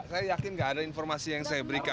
saya yakin gak ada informasi yang saya berikan